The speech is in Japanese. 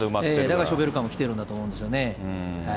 だからショベルカーも来てるんですよね。